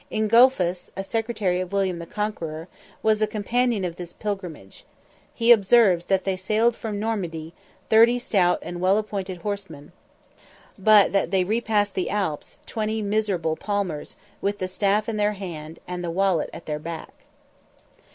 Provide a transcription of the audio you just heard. Ingulphus, a secretary of William the Conqueror, was a companion of this pilgrimage: he observes that they sailed from Normandy, thirty stout and well appointed horsemen; but that they repassed the Alps, twenty miserable palmers, with the staff in their hand, and the wallet at their back.